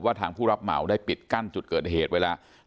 ทางผู้รับเหมาได้ปิดกั้นจุดเกิดเหตุไว้แล้ว